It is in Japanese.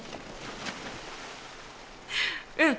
うん。